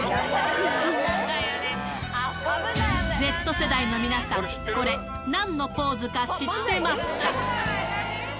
Ｚ世代の皆さん、これ、なんのポーズか知ってますか？